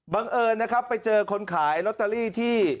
เอิญนะครับไปเจอคนขายลอตเตอรี่ที่